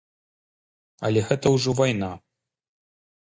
Але гэта ўжо вайна.